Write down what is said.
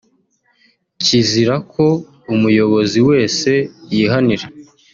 kizira ko umuyobozi wese yihanira